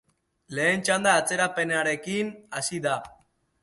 Lehen txanda atzerapenarekin hasi da.